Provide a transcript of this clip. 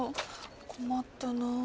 困ったな。